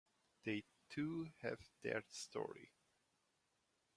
They too have their story.